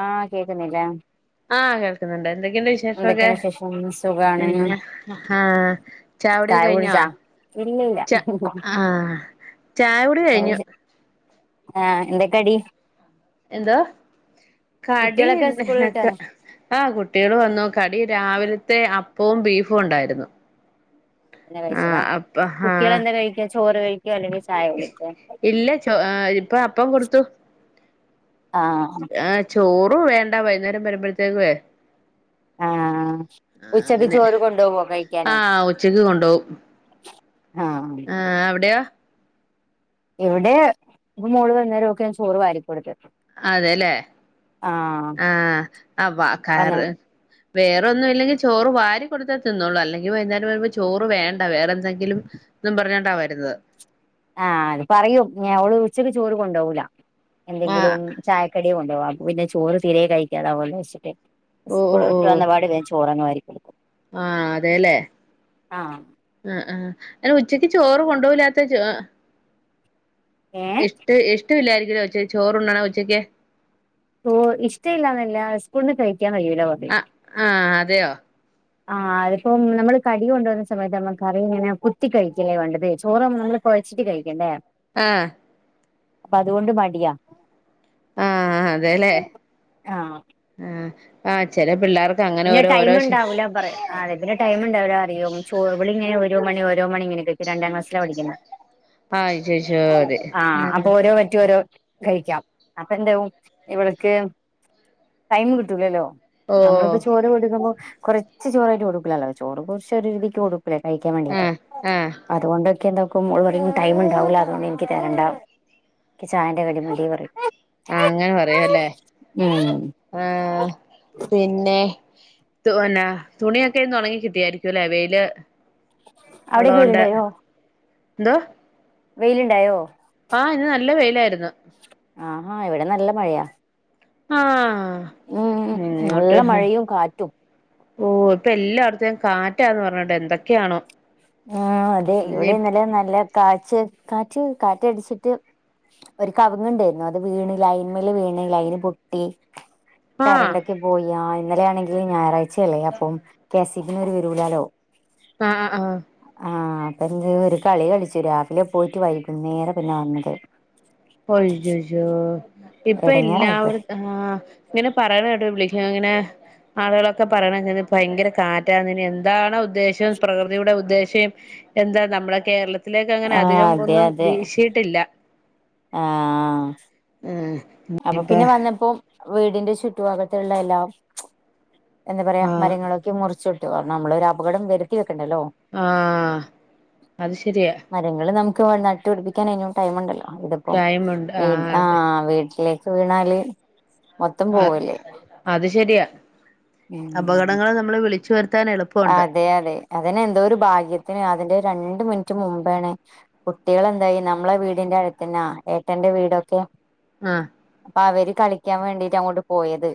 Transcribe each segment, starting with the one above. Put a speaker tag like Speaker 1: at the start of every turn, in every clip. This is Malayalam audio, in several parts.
Speaker 1: ആഹ് കേക്കുന്നില്ല
Speaker 2: ആഹ് കേൾക്കുന്നുണ്ട് എന്തൊക്കെയുണ്ട് വിശേഷമൊക്കെ
Speaker 1: ഉം സുഖ
Speaker 2: പിന്നെ ആഹഹ ചാകുടി ഒക്കെ
Speaker 1: ചായ
Speaker 2: കഴിഞ്ഞാ
Speaker 1: കുടിച്ചാ ഇല്ല ഇല്ല
Speaker 2: ച ആഹ് ചായകുടി കഴിഞ്ഞു
Speaker 1: [unintelligible] ആഹ് എന്തക്കടി
Speaker 2: എന്തോ കടി
Speaker 1: സ്കൂൾ വിട്ട്
Speaker 2: പുന്നക്ക
Speaker 1: വന്നോ
Speaker 2: ആകുട്ടികൾ വന്നു കടി രാവിലത്തെ അപ്പവും ബീഫും ഉണ്ടായിരുന്നു
Speaker 1: എന്നെ കഴിച്ചതാ
Speaker 2: ആഹ് അപ്പ
Speaker 1: കുട്ടികള
Speaker 2: ആഹ്
Speaker 1: എന്താ കഴിക്കുക ചോറ് കഴിക്ക അല്ലെങ്കിൽ ചായ കുടിക്ക
Speaker 2: ഇല്ല ചോ ഇപ്പൊ അപ്പം കൊടുത്തു
Speaker 1: ആഹ്
Speaker 2: ആഹ്ചോറ് വേണ്ട വൈകുന്നേരം വരുമ്പോഴത്തേക്ക്
Speaker 1: ആഹ് ഉച്ചക്ക്
Speaker 2: അങ്ങനെ
Speaker 1: ചോറ് കൊണ്ട്പോവോ കഴിക്കാനെ
Speaker 2: ആഹ് ഉച്ചക്ക്
Speaker 1: ആഹ്
Speaker 2: ആ എവിടെയോ
Speaker 1: ഇവിടെ ഇപ്പ മോള് വന്നേരമൊക്കെ ഞാൻ ചോറ് വാരി കൊടുത്ത്ത്തും
Speaker 2: അതെല്ലേ ആഹ് ആ വ
Speaker 1: വന്ന
Speaker 2: കാറ് വേറൊന്നും ഇല്ലെങ്കിൽ ചോറ് വാരി കൊടുത്താൽ തിന്നള്ളൂ അല്ലെങ്കിൽ വൈകുന്നേരം വരുമ്പോ ചോറ് വേണ്ട വേറെ എന്തെങ്കിലും ന്നും പറഞ്ഞണ്ടാ വരുന്നത്
Speaker 1: ആഹ്അത് പറയൂ ഞ അവള് ഉച്ചക്ക് ചോറ് കൊണ്ടുപോകല
Speaker 2: ആഹ്
Speaker 1: എന്തെങ്കിലും ചായക്കടിയും കൊണ്ടോവാ പിന്നെ ചോറ് തിരെ കഴിക്കാതപോലെ വെച്ചിട്ട്
Speaker 2: ഓ
Speaker 1: സ്
Speaker 2: ഓ
Speaker 1: വന്നപാടെ ചോറ്ങ്ങ് വാരി കൊടുക്കും
Speaker 2: ആഅതെല്ലേ
Speaker 1: ആഹ്
Speaker 2: ആആ ഉച്ചയ്ക്ക് ചോറ് കൊണ്ട് പോവുല്യാത്തത്
Speaker 1: ഏ
Speaker 2: ഇഷ്ട ഇഷ്ടില്ലായിരിക്കലേ ഉച്ചക്ക് ചോറണ്ടാണോ ഉച്ചയ്ക്ക്
Speaker 1: ഓ ഇഷ്ട ഇല്ലാന്നല്ല സ്കൂളിന് കഴിക്കാൻ കഴിയില്ല
Speaker 2: ആ അതെയോ
Speaker 1: ആഹ് അതിപ്പോം നമ്മള് കടി കൊണ്ടുവന്ന സമയത്ത് നമ്മക്ക് കറിങ്ങനെ കുത്തി കഴിക്കല്ലേ വേണ്ടത് ചോറ്നമ്മ കൊഴച്ചിട്ട് കഴിക്കണ്ടേ
Speaker 2: ആഹ്
Speaker 1: അപ്പൊ അതുകൊണ്ട് മടിയാ
Speaker 2: ആ അതേല്ലേ
Speaker 1: ആഹ്
Speaker 2: ആ ആ ചെല പിള്ളേർ
Speaker 1: പിന്നെ ടൈം ഉണ്ടാവില്ലാ പറയാ അതേ പിന്ന ടൈം ഉണ്ടാവില്ല അറിയും ഇവളിങ്ങനെ ഓരോ മണി ഓരോ മണിങ്ങനെ രണ്ടാം ക്ലാസിലാ പഠിക്കണേ
Speaker 2: ആഹ് അയ്യയ്യോ അതെ
Speaker 1: ആ അപ്പൊ
Speaker 2: ആഹ്
Speaker 1: ഓരോ പറ്റ് ഓരോ പ കഴിക്കാം അപ്പ ന്താവും ഇവൾക്ക് ടൈം കിട്ടൂലല്ലോ
Speaker 2: ഓഹ്
Speaker 1: നമ്മളിപ്പോ ചോറ് കൊടുക്കുമ്പോ കൊറച്ച് ചോറായിട്ട് കൊടുക്കൂലല്ലോ ചോറ് കുറച്ച് ഒരു രീതിക്ക് കൊടുക്കും കഴിക്കാൻ വേണ്ടീട്ട്
Speaker 2: ആഹ് ആഹ്
Speaker 1: അതുകൊണ്ടൊക്കെ ന്താ ക്കും ടൈം ഇണ്ടാവൂല്ലോ അതുകൊണ്ട് എനിക്ക് തരണ്ടാ എനിക്ക്ചായേന്റെ കടി മതി പറയും
Speaker 2: ആഹ് അങ്ങനെ പറയുവല്ലേ
Speaker 1: ഉം
Speaker 2: ആഹ് പിന്നെ ന്നെ തുണിയൊക്കെ ഇന്ന് ഒണങ്ങി കിട്ടിയായിരിക്കൂല്ലേ വെയില്
Speaker 1: അവിടേക്ക്
Speaker 2: ഉള്ളോണ്ട്
Speaker 1: വെയിലുണ്ടായോ
Speaker 2: എന്തോ
Speaker 1: വെയിലുണ്ടായോ
Speaker 2: ആ ഇന്ന് നല്ല വെയിലായിരുന്നൂ
Speaker 1: ആഹാ ഇവിടെ നല്ല മഴയാ
Speaker 2: ആഹ്
Speaker 1: ഉം നല്ല
Speaker 2: ഇങ്ങോട്ട്
Speaker 1: മഴയും കാറ്റും
Speaker 2: ഓഹ് ഇപ്പൊ എല്ലാടത്തേ കാറ്റാന്ന് പറഞ്ഞിട്ട് എന്തൊക്കെയാണോ
Speaker 1: ആ അതെ
Speaker 2: ഇനി
Speaker 1: ഇവിടെ ഇന്നലെ നല്ല കാച്ച് കാറ്റ് കാറ്റടിച്ചിട്ട് ഒരു കവുങ്ങ് ഇണ്ടായിരുന്നു അത് വീണ് ലൈന്മേല് വീണ് ലൈന് പൊട്ടി
Speaker 2: ആഹ്
Speaker 1: കരണ്ടൊക്കെ പോയി ഇന്നലെയാണെങ്കി ഞായറാഴ്ചയല്ലേ അപ്പം കെ സി ബി ന്ന് ഓരു വരൂലാലോ
Speaker 2: ആഹ് ആഹ്
Speaker 1: ആഹ് അപ്പ എന്ത് ഒരു കളി കളിച്ചു രാവിലെ പോയിട്ട് വൈകുന്നേരാ പിന്നെ വന്നത്
Speaker 2: ഒയ്യയ്യോ ഇപ്പൊ
Speaker 1: എടങ്ങേറായിപ്പോയി
Speaker 2: എല്ലാവട ആ ഇങ്ങനെ പറയന കേട്ടാ വിളിക്കാം അങ്ങനെ ആളുകളൊക്കെ പറയണ ഭയങ്കര കാറ്റാണ് ഇനി എ എന്താണ് ഉദ്ദേശം പ്രകൃതിയുടെ ഉദ്ദേശം എന്താ നമ്മുടെ കേരളത്തി ത്തിലേക്ക് അങ്ങനെ
Speaker 1: ആഹ്
Speaker 2: അധികം
Speaker 1: അതെ
Speaker 2: ഒന്നും
Speaker 1: അതെ
Speaker 2: വീശിയിട്ടില്ലാ
Speaker 1: ആഹ്
Speaker 2: ഉം
Speaker 1: അപ്പൊ
Speaker 2: ഇനിപ്പ
Speaker 1: പിന്നെ വന്നപ്പോ വീടിന്റെ ചുറ്റു ഭാഗത്തുള്ള എല്ലാം എന്താ പറയാ
Speaker 2: ആ
Speaker 1: മരങ്ങളൊക്കെ മുറിച്ചിട്ടു കാരണം നമ്മള് ഒരു അപകടം വരുത്തി വെക്കേണ്ടല്ലോ
Speaker 2: ആഹ് അത് ശരിയാ
Speaker 1: മരങ്ങള് നമുക്ക് നട്ടുപടിപ്പിക്കാൻ ഇനിയും ടൈമുണ്ടല്ലോ ഇതിപ്പം
Speaker 2: ടൈമുണ്ട്
Speaker 1: വീ ആ
Speaker 2: അതെ
Speaker 1: വീ [unintelligible] വീണാല്
Speaker 2: അ
Speaker 1: പോവല്ലേ
Speaker 2: അത് ശരിയാ
Speaker 1: ഉം
Speaker 2: അപകടങ്ങള് നമ്മള് വിളിച്ചു വരുത്താൻ എള
Speaker 1: അതെ അതെ അതിനെ എന്തോ ഒരു ഭാഗ്യത്തിന് അതിന്റെ രണ്ട് മിനിറ്റ് മുമ്പാണ് കുട്ടികളെന്തായി നമ്മളെ വീടിന്റെ അടുത്തന്നാ ഏട്ടന്റെ വീടൊക്കെ
Speaker 2: ആഹ്
Speaker 1: അപ്പൊ അവര് കളിക്കാൻ വേണ്ടിട്ട് അങ്ങോട്ട് പോയത്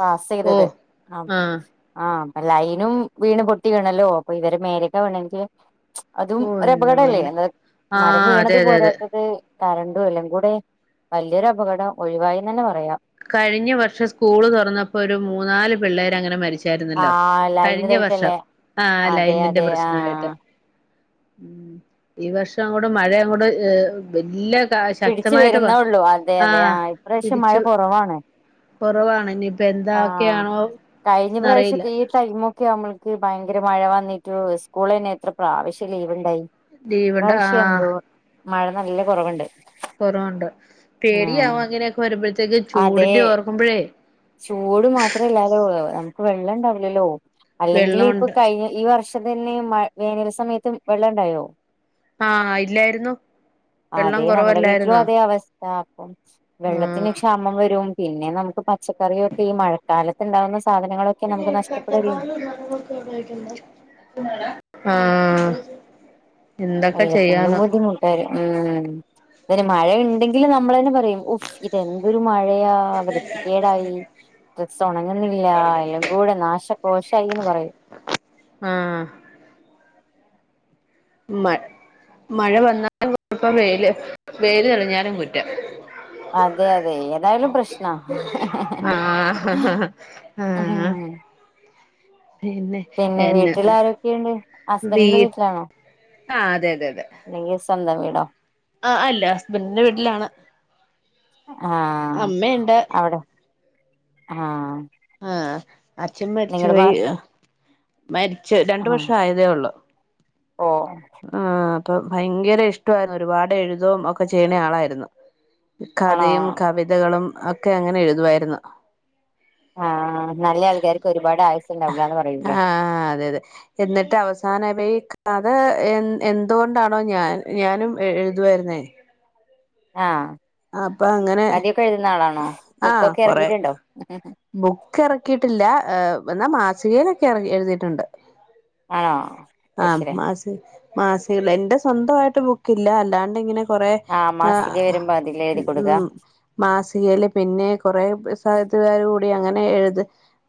Speaker 1: പാസ്
Speaker 2: ഓ
Speaker 1: ചെയ്തത്
Speaker 2: ആ
Speaker 1: അപ്പൊ ആഹ് ലൈനും വീണ് പൊട്ടി വീണല്ലോ അപ്പൊ ഇവരെ മേലേക്ക് വീണെങ്കി അതും
Speaker 2: ഓ എന്റെ
Speaker 1: ഒരപകടല്ലേ
Speaker 2: പൊന്നെ
Speaker 1: എന്ന
Speaker 2: ആ
Speaker 1: മരം
Speaker 2: അതെ
Speaker 1: വീണത്
Speaker 2: അതെ അതെ
Speaker 1: പോരാത്തത് കരണ്ടും എല്ലാം കൂടെ വലിയൊരു അപകടം ഒഴിവായീന്നു തന്നെ പറയാം
Speaker 2: കഴിഞ്ഞ വർഷം സ്കൂള് തുറന്നപ്പോ ഒരു മൂന്നാല് പിള്ളേരങ്ങനെ മരിച്ച ച്ചാരുന്നല്ലോ
Speaker 1: ആഹ് ലൈന്
Speaker 2: കഴിഞ്ഞ വർഷം
Speaker 1: ഇതായിട്ടല്ലേ
Speaker 2: ആ
Speaker 1: അതെ
Speaker 2: ലൈനിന്റെ
Speaker 1: അതെ
Speaker 2: പ്രശ്നായിട്ട്
Speaker 1: ആഹ്
Speaker 2: ഈ വർഷം അങ്ങോട് മഴയും അങ്ങോട് ഏ വല്യ
Speaker 1: പിടിച്ചു
Speaker 2: ശക്തമായിട്ട് വ
Speaker 1: വരുന്നേ
Speaker 2: ആഹ് പിടിച്ചു
Speaker 1: കൊറവാണ്
Speaker 2: കൊറവാണ് ഇനിയിപ്പ എന്തൊക്കെയാണോ എന്നറിയില്ലാ
Speaker 1: ടൈമ് ഒക്കെ ആവുമ്പോൾക് ഭയങ്കര മഴ വന്നിട്ടു സ്കൂളന്നെ എത്ര പ്രാവശ്യം ലീവ് ഉണ്ടായി.
Speaker 2: ലീവുണ്ട് ആ
Speaker 1: ഇപ്രവിശ്യം എന്തോ മഴ നല്ല കുറവുണ്ട്.
Speaker 2: കുറവുണ്ട്
Speaker 1: ആഹ്
Speaker 2: പേടിയവും അങ്ങനെയൊക്കെ വരുമ്പോഴത്തേക്ക്.
Speaker 1: അതെ
Speaker 2: ചൂടിന്റെ ഓർക്കുമ്പോഴേ.
Speaker 1: ചൂട് മാത്രല്ലാലോ നമുക്ക് വെള്ളം ഉണ്ടാവില്ലല്ലോ? അല്ലെങ്കിൽ ഇപ്പൊ
Speaker 2: വെള്ളമുണ്ട്
Speaker 1: കഴിഞ്ഞ ഈ വർഷം. തന്നെ മയ വേനൽ സമയത്തും വെള്ളം ഉണ്ടായോ?
Speaker 2: ആഹ് ഇല്ലായിരുന്നു. വെള്ളം
Speaker 1: അതെ നമ്മുടെ വീട്ടിലും
Speaker 2: കുറവല്ലായിരുന്നോ
Speaker 1: അതേ അവസ്ഥ അപ്പം വെള്ളത്തിന് ക്ഷാമം വരും. പിന്നെ നമുക്ക് പച്ചക്കറിയൊക്കെ ഈ മഴക്കാലത്ത്ണ്ടാവുന്ന. സാധനങ്ങളൊക്കെ
Speaker 2: ഉം
Speaker 1: നമുക്ക്
Speaker 2: കട്ട
Speaker 1: നഷ്ടപ്പെടല്ലേ
Speaker 2: [unintelligible] ആഹ് എന്തൊക്കെ ചെയ്യാന.
Speaker 1: വെള്ളത്തിനും ഉം ബുദ്ധിമുട്ട് അതെ മഴ ഉണ്ടെങ്കിൽ നമ്മളന്നെ പറയും എന്തൊരു മഴയാ വൃത്തിക്കേടായി. ഡ്രസ് ഒണങ്ങുന്നില്ല എല്ലം കൂടെ നാശ കോശയിന്ന് പറയും.
Speaker 2: ആഹ് മ മഴ വന്നാല്പ്പ വെല് വെൽ തെളിഞ്ഞാലും കുറ്റം.
Speaker 1: അതെ അതെ ഏതായാലും പ്രശ്നാ.
Speaker 2: ആഹ്
Speaker 1: ഉം
Speaker 2: ആഹ് പിന്നെ?
Speaker 1: പിന്നെ
Speaker 2: എന്നെ
Speaker 1: വീട്ടിൽ ആരൊക്കെയുണ്ട്?
Speaker 2: വീ
Speaker 1: ഹസ്ബന്റിന്റെ വീട്ടിലാണോ?
Speaker 2: ആഹ് അതെ അതെ അതെ
Speaker 1: അല്ലെങ്കി സ്വന്തം വീടോ?
Speaker 2: ആഹ് അല്ല ഹസ്ബന്റിന്റെ വീട്ടിലാണ്.
Speaker 1: ആഹ്
Speaker 2: അമ്മ ഇണ്ട്.
Speaker 1: അവിടെ ആഹ്
Speaker 2: ആഹ് അച്ഛൻ
Speaker 1: നിങ്ങളുടെ മാ
Speaker 2: മരിച്ചുപോയി മരിച്ചു രണ്ട് വർഷം ആയതേ ഉള്ളു.
Speaker 1: ഓഹ്
Speaker 2: ആഹ് അപ്പൊ ഭയങ്കര ഇഷ്ടമായിരുന്നു. ഒരുപാട് എഴുതോം ഒക്കെ ചെയ്യണ ആളായിരുന്നു.
Speaker 1: ആണോ
Speaker 2: കഥയും, കവിതകളും, ഒക്കെ അങ്ങനെ എഴുതുവായിരുന്നു.
Speaker 1: ആഹ് നല്ല ആൾക്കാർക്ക് ഒരുപാട് ആയുസ്സുണ്ടാവില്ലാന്ന് പറയൂല്ലേ?
Speaker 2: ആഹ് അതെയതെ. എന്നിട്ട് അവസാനം ആയപ്പോ ഈ കഥ എ എന്തുകൊണ്ടാണോ ഞാൻ ഞാനും എഴുതുവാരുന്നേ.
Speaker 1: ആഹ്
Speaker 2: അങ്ങനെ
Speaker 1: കഥ ഒക്കെ എഴുതുന്ന ആളാണോ
Speaker 2: ആഹ്
Speaker 1: ബുക്കൊക്കെ
Speaker 2: കൊറെ
Speaker 1: ഇറക്കീട്ടുണ്ടോ?
Speaker 2: ബുക്ക് ഇറക്കിയിട്ടില്ല ഏഹ് എന്നാൽ മാസികയിലൊക്കെ എർ എഴുതിയിട്ടുണ്ട്.
Speaker 1: ആഹ്
Speaker 2: ആഹ് മാസിക മാസികേല് എന്റെ സ്വന്തമായിട്ട് ബുക്കില്ല. അല്ലാണ്ട് ഇങ്ങനെ കുറെ
Speaker 1: മാസിക
Speaker 2: ആഹ്
Speaker 1: വരുമ്പോ അതില് എഴുതി കൊടുക്ക
Speaker 2: ഉം മാസികേല് പിന്നെ കുറെ സാഹത്തുകാർ കൂടി അങ്ങനെ എഴുത്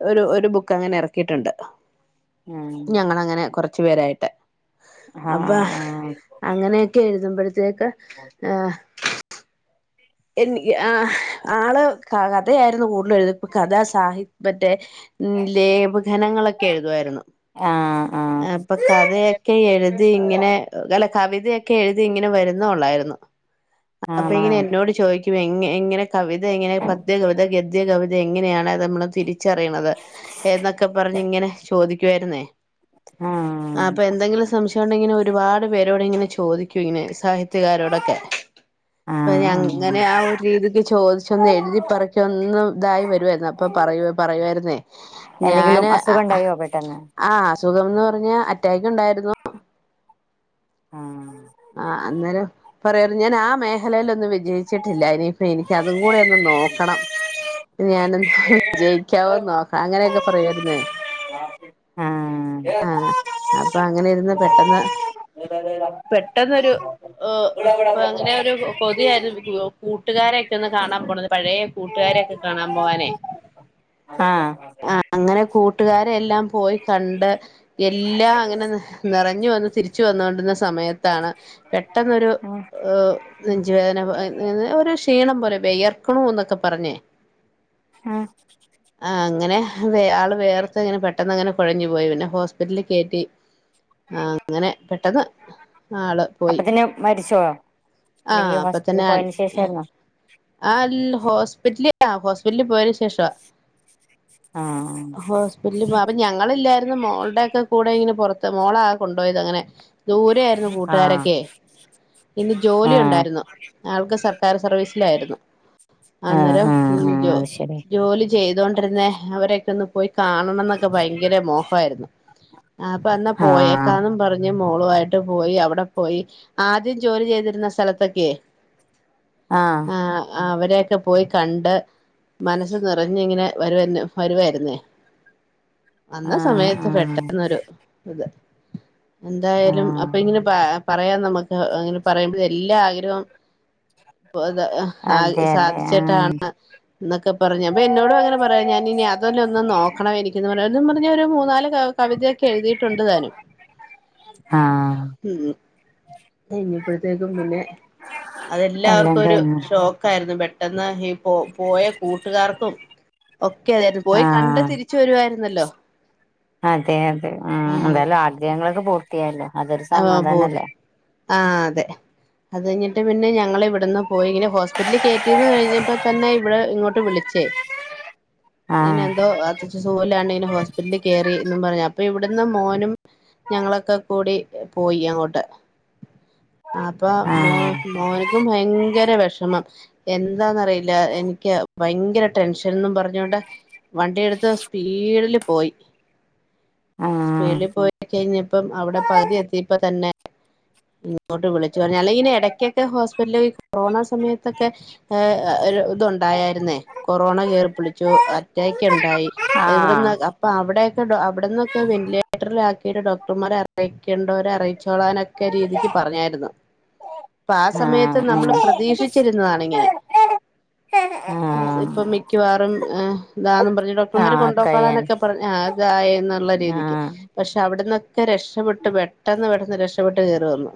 Speaker 2: ഒര് ഒരു ബുക്ക് അങ്ങനെ ഇറക്കിയിട്ടുണ്ട്.
Speaker 1: ഉം
Speaker 2: ഞങ്ങള് അങ്ങനെ കൊറച്ചു പേരായിട്ട്.
Speaker 1: ആഹ്
Speaker 2: അപ്പൊ അങ്ങനെയൊക്കെ എഴുതുമ്പോഴത്തേക്ക്
Speaker 1: [inaudible]
Speaker 2: ആഹ് എനി ആഹ് ആള് ക കഥയായിരുന്നു കൂടുതലും എഴു കഥാ സാഹി മറ്റേ ലേപഘനങ്ങളൊക്കെ എഴുതുമായിരുന്നു.
Speaker 1: ആഹ് ആഹ് ആഹ്
Speaker 2: അപ്പൊ കഥയൊക്കെ എഴുതി ഇങ്ങനെ അല്ല കവിതയൊക്കെ എഴുതി ഇങ്ങനെ വരുന്നേ ഒള്ളായിരുന്നു. [inaudible] അപ്പൊ
Speaker 1: ആണോ
Speaker 2: ഇങ്ങനെ എന്നോട് ചോദിക്കും എങ്ങ എങ്ങനെ കവിത എങ്ങനെ പത്യ കവിത ഗദ്യ കവിത എങ്ങനെയാണ് നമ്മള് തിരിച്ചറിയണത് എന്നൊക്കെ പറഞ്ഞ് ഇങ്ങനെ ചോദിക്കുമായിരുന്നേ. ആഹ് അപ്പൊ എന്തെങ്കിലും സംശയം ഉണ്ടെങ്കില് ഒരുപാട് പേരോടിങ്ങനെ ചോദിക്ക ക്കു ഇങ്ങനെ സാഹിത്യകാരോടൊക്കെ. ഇപ്പൊ
Speaker 1: ആഹ്
Speaker 2: ഞങ്ങ്
Speaker 1: ആഹ്
Speaker 2: അങ്ങനെ ആ ഒരു രീതിക്ക് ചോദിച്ച് ഒന്ന് എഴുതിപ്പറ്ക്കി ഒന്ന് ഇതായി വരുവായിരുന്നു അപ്പൊ പറയ പറയുവായിരുന്നേ
Speaker 1: എന്തെങ്കിലും
Speaker 2: ഞാന്
Speaker 1: അസുഖം ഉണ്ടായോ പെട്ടെന്ന്
Speaker 2: ആഹ് അസുഖംന്ന് പറഞ്ഞ അറ്റക്ക് ഉണ്ടായിരുന്നു.
Speaker 1: ആഹ്
Speaker 2: ആഹ് അന്നേരം പറയാർന്നു ഞാൻ ആ മേഖലയിലൊന്നും വിജയിച്ചിട്ടില്ല ഇനിയിപ്പം എനിക്ക് അതും കൂടെ ഒന്ന് നോക്കണം. ഞാനന്തോ വിജയിക്കാവോ അങ്ങനെയൊക്കെ പറയുമായിരുന്നേ.
Speaker 1: ആഹ്.
Speaker 2: അപ്പൊ അങ്ങനെ ഇരുന്ന് പെട്ടെന്ന് പെട്ടെന്നൊരു ഏഹ് അപ്പൊ അങ്ങനെ ഒരു കൊതിയായിരുന്നു [unintelligible] കൂട്ടുകാരെയൊക്കെ ഒന്ന് കാണാൻ പോണത് പഴയ കൂട്ടുകാരെയൊക്കെ കാണാൻ പോവാനെ.
Speaker 1: ആഹ്.
Speaker 2: ആഹ് അങ്ങനെ കൂട്ടുകാരെ എല്ലാം പോയി ക ണ്ട് എല്ലാം അങ്ങനെ നിറഞ്ഞു വന്ന് തിരിച്ചു വന്നോണ്ടിരുന്ന സമയത്താണ് പെട്ടെന്നൊരു
Speaker 1: ഉം
Speaker 2: ഏഹ് നെഞ്ചുവേദന [unintelligible] ഒരു ക്ഷീണം പോലെ വിയർക്കണൂ എന്നൊക്കെ പറഞ്ഞേ
Speaker 1: ആഹ്.
Speaker 2: ആ അങ്ങനെ ആള് വേയർത്തങ്ങനെ പെട്ടെന്നങ്ങനെ കോഴഞ് പോയി പിന്നെ ഹോസ്പിറ്റലിൽ കേറ്റി ആഹ് അങ്ങനെ പെട്ടെന്ന് ആള് പോയി
Speaker 1: പിന്നെ മരിച്ചോ?
Speaker 2: ആഹ്
Speaker 1: അല്ലെങ്കിൽ
Speaker 2: അപ്പ
Speaker 1: ഹോസ്പിറ്റലിൽ
Speaker 2: തന്നെ
Speaker 1: പോയതിന്
Speaker 2: അഹ്
Speaker 1: ശേഷായിരുന്നോ
Speaker 2: ആൽ ഹോസ്പിറ്റല് ആഹ് ഹോസ്പിറ്റലിൽ പോയെന് ശേഷവാ
Speaker 1: ആഹ്
Speaker 2: [unintelligible] അപ്പ ഞങ്ങളില്ലായിരുന്നു മോളുടെക്കെ കൂടെ ഇങ്ങനെ പുറത്ത് മോളാ കൊണ്ടു പോയത് അങ്ങനെ ദൂരെ ആയിരുന്നു
Speaker 1: ആഹ്
Speaker 2: കൂട്ടുകാരൊക്കെ പിന്നെ ജോലി
Speaker 1: ആഹ്
Speaker 2: ഉണ്ടായിരുന്നു ആൾക്ക് സർക്കാർ സർവീസ് ലായിരുന്നു
Speaker 1: ആഹ്
Speaker 2: അന്നേരം
Speaker 1: ആഹ് ആഹ് അത് ശരി
Speaker 2: ജോലി ചെയ്തൊണ്ടിര്ന്നെ അവരൊക്കെ ഒന്ന് പോയി കാണണം ന്നൊക്കെ ഭയങ്കര മോഹായിരുന്നു ആഹ് അപ്പ അന്നാ
Speaker 1: ആഹ്
Speaker 2: പോയേക്കാന്നും പറഞ്ഞു മോളു ആയിട്ട് പോയി അവിടെ പോയി ആദ്യം ജോലി ചെയ്തിരുന്ന സ്ഥലത്തൊക്കെ
Speaker 1: ആഹ്
Speaker 2: ആഹ് അവരെയൊക്കെ പോയി കണ്ട് മനസ്സ് നിറഞ്ങ്ങനെ വരോന്നെ വരുവായിരുന്നേ വന്ന
Speaker 1: ആഹ്
Speaker 2: സമയത്ത്
Speaker 1: ആഹ്
Speaker 2: പെട്ടെന്നൊരു ഇത് എന്തായാലും അപ്പ
Speaker 1: ആഹ്
Speaker 2: ഇങ്ങനെ പറയാ പറയാൻ നമുക്ക് ഇങ്ങനെ പറയുമ്പോ എല്ലാ ആഗ്രഹും അഹ്
Speaker 1: അതെ അതെ ആഹ്
Speaker 2: സാധിച്ചിട്ടാണ് ന്നോക്കെ പറഞ് അപ്പൊ എന്നോടും അങ്ങനെ പറയാം ഞാനിനി അതോലോ ഒന്ന് നോക്കണം എനിക്ക്ന്ന് പറയാന്ന് പറഞ്ഞ് ഒരു മൂന്നാല് കവിതെക്കെ എഴുതിട്ടുണ്ട് താനും
Speaker 1: ആഹ്
Speaker 2: ഇനിപ്പഴത്തേക്കും പിന്നെ
Speaker 1: എല്ലാം
Speaker 2: അതെല്ലാവർക്കും ഒരു
Speaker 1: കഴിഞ്ഞു
Speaker 2: ഷോക്കായിരുന്നു പെട്ടെന്ന് ഈ പോ പോയ കൂട്ടുകാർക്കും ഒക്കെ തെയ്രുന്നു പോയി കണ്ട്
Speaker 1: ആഹ്
Speaker 2: തിരിച്ചു വരുവായിരുന്നല്ലോ
Speaker 1: അതെ അതെ ഉം
Speaker 2: ആഹ്
Speaker 1: എന്തായാലും ആഗ്രഹങ്ങളൊക്കെ പൂർത്തിയായല്ലോ അതൊരു സമാധാനല്ലേ
Speaker 2: ആഹ് അതെ അത് കഴിഞ്ഞിട്ട് പിന്നെ ഞങ്ങള് ഇവിടുന്ന് പോയി ഇങ്ങനെ ഹോസ് പിറ്റലിൽ കേറ്റിയത് കഴിഞ്ഞപ്പോ തന്നെ ഇവിടെ ഇങ്ങോട്ട് വിളിച്ചേ ങ്ങനെ എന്തോ
Speaker 1: ആഹ്
Speaker 2: [unintelligible] സൂലാണെങ്കി ഹോസ്പിറ്റലി കേറി ന്നും പറഞ്ഞു അപ്പൊ ഇവിടുന്ന് മോനും ഞങ്ങളൊക്കെ കൂടി പോയി അങ്ങോട്ട് അപ്പൊ മോ
Speaker 1: ആഹ്
Speaker 2: മോന്ക്കും ഭയങ്കര വെഷമം എന്താന്നറിയില്ല എനിക്ക് ഭയങ്കര ടെൻഷെൻ ന്നും പറഞ്ഞോണ്ട് വണ്ടി എടുത്ത് സ്പീഡില് പോയി
Speaker 1: ആഹ്
Speaker 2: സ്പീഡില് പോയി കോർച്ച് കഴിഞ്ഞ പ്പം ഔടെ പകുതി എത്തിയപ്പ തന്നെ ഇങ്ങോട്ട് വിളിച്ച് പറഞ്ഞു അല്ലെങ്കി പിന്നെ എടക്കൊക്കെ ഹോസ്പിറ്റല് ഈ കൊറോണ സമയത്തൊക്കെ ഏഹ് ഒരിത് ഇണ്ടായായിരുന്നേ കൊറോണ കേറി പിടിച്ചു അറ്റാക്ക് ഇണ്ടായി എവിടെന്ന് അപ്പ അവിടെയൊക്കെ അവിടന്നൊക്കെ വെന്റിലേറ്ററിലാക്കിട്ട് ഡോക്ടർമാര് അ അറിയിക്കേണ്ടവരെ അറിയിച്ചോളാനൊക്കെ രീതിക്ക് പറഞ്ഞായിരുന്നു പ്പ ആഹ് സമയത്ത് നമ്മള് പ്രതീക്ഷിച്ചിരുന്നതാണിങ്ങനെ
Speaker 1: ആഹ്
Speaker 2: ഇപ്പം മിക്കവാറും താന്നും പറഞ്ഞ് ഡോക് ക്ടർമാര്
Speaker 1: ആഹ് കഴിയാൻ
Speaker 2: കൊണ്ടോകാനോക്കെ പറഞ് അതായ എന്നുള്ള രീതിക്ക്
Speaker 1: ആഹ്
Speaker 2: പക്ഷെ അവിട്ന്നൊക്കെ രക്ഷ ക്ഷപ്പെട്ട് പെട്ടെന്ന് പെട്ടെന്ന് രക്ഷപ്പെട്ട് കേറി വന്നു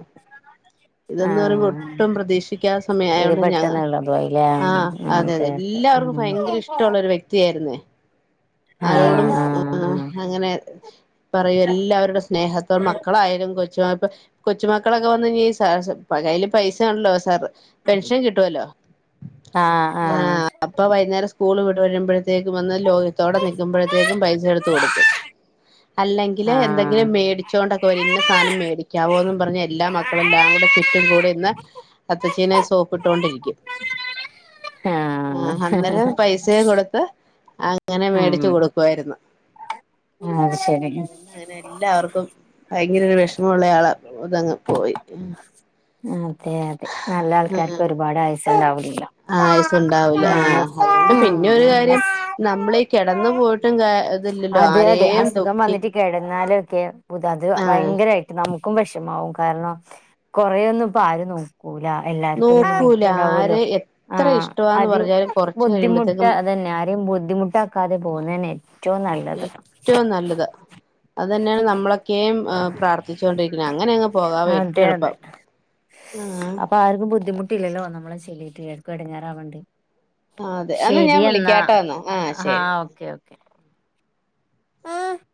Speaker 2: ഇതെന്ന് പറയുമ്പോ
Speaker 1: ആഹ്
Speaker 2: ഒട്ടും പ്രതീക്ഷിക ക്ക സമയ
Speaker 1: ഇത്
Speaker 2: ആയൊണ്ട് ഞങ്ങ
Speaker 1: പെട്ടെന്നുള്ളതു ആയില്ലേ
Speaker 2: ആഹ് അതെ അതെ എല്ലാവർക്കും
Speaker 1: ഉം
Speaker 2: ഭയങ്കര ഇഷ്ടോള്ള ഒരു വ്യക്തിയായിരുന്നേ ആരോടും ആഹ് അങ്ങനെ പറയും എല്ലാരോടും സ്നേഹത്തോ മക്കളായാലും കൊച്ചു മക്ക കൊച്ചു മക്കളൊക്കെ വന്ന് കഴിഞ്ഞാ സ കൈയ്യില് പൈസ ഉണ്ടല്ലോ സർ പെൻഷൻ കിട്ടുവല്ലോ ആഹ് അപ്പൊ വൈന്നേരം സ്കൂള് വിട് വരുമ്പോഴത്തേക്ക് വന്ന് ലോ ത്തോടെ നിക്കുമ്പോഴത്തേക്കും പൈസ എടുത്ത് കൊടുക്കും അല്ലെങ്കില് എന്തെങ്കിലും
Speaker 1: ആഹ്
Speaker 2: മേടിച്ചോണ്ടൊക്കെ വരും ഇന്ന സാധനം മേടിക്കാവോന്ന് പറഞ്ഞ് എല്ലാ മക്കളും എല്ലാം കൂടെ ചു ചുറ്റും കൂടി നിന്ന് അത്തച്ചീനെ സോപ്പിട്ടൊണ്ടിരിക്കും ആഹ് അന്നേരം പൈസയും കൊടുത്ത് അങ്ങനെ മേടിച്ചു
Speaker 1: ഉം
Speaker 2: കൊടുക്കുവായിരുന്നു
Speaker 1: അത് ശരി
Speaker 2: അതുകൊണ്ട് അങ്ങനെ എല്ലാവർക്കും ഭയങ്കര ഒരു വിഷമുള്ളയാളാ ഇതങ്ങ് പോയി
Speaker 1: ഉം അതെ അതെ നല്ല ആൾക്കാർക്ക് ഒരുപാട് ആയുസ്സ് ഇണ്ടാവൂലല്ലോ
Speaker 2: ആഹ് ആയസുണ്ടാവൂല്ല ആഹ് അതുകൊണ്ട് പിന്നെ ഒരു കാര്യം നമ്മളീ കിടന്നു പോയിട്ടും കാ ഇതില്ലല്ലോ
Speaker 1: അതെ അതെ
Speaker 2: ആരെയും
Speaker 1: അസുഖം
Speaker 2: ദുഃഖി
Speaker 1: വന്നിട്ട് കിടന്നാലൊക്കെ അത്
Speaker 2: ആഹ്
Speaker 1: ഭയങ്കരമായിട്ട് നമുക്കും വിഷമാവും കാരണം കൊറേ ഒന്നും ഇപ്പം ആരു നോ കൂല എല്ലാർക്കും ഒരു
Speaker 2: നോക്കൂല
Speaker 1: ലിമിറ്റ് ഉണ്ടാവുല്ലോ
Speaker 2: ആരെ എത്ര
Speaker 1: ആഹ്
Speaker 2: ഇഷ്ടമാന്ന്
Speaker 1: അത്
Speaker 2: പറഞ്ഞാലും കൊറച്ച്
Speaker 1: ബുദ്ധിമുട്ട്
Speaker 2: കഴിയുമ്പോഴത്തേക്കും
Speaker 1: അത് തന്നെ ആരെയും ബുദ്ധിമുട്ടാക്കാതെ പോകുന്നന്നെ
Speaker 2: ഏറ്റവും നല്ലത് അത് തന്നെയാണ് നമ്മളൊക്കെയും പ്രാർത്ഥിച്ചു കൊണ്ടിരിക്കുന്നത് അങ്ങനെ അങ്ങ് പോകാവോ ഏറ്റവും എളുപ്പം ആഹ്
Speaker 1: അപ്പം ആർക്കും ബുദ്ധിമുട്ട് ഇല്ലാലോ നമ്മളെ ചോല്ലീട്ട് ആര്ക്കും ഇടങ്ങാറാവേണ്ട്
Speaker 2: അതെ എന്നാ ഞാൻ
Speaker 1: ശരിയെന്നാ
Speaker 2: വിളിക്കാട്ടോ എന്നാ
Speaker 1: ആഹ്
Speaker 2: ശരി
Speaker 1: ഓക്കെ ഓക്കെ [inaudible]